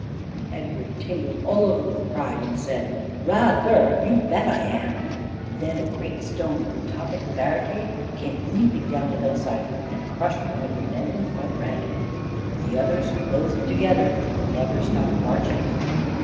And Edward tingled all over with pride, and said, "Rather, you bet I am." Then a great stone from the top of the barricade came leaping down the hillside and crushed one of the men in the front rank, but the others closed together and never stopped marching.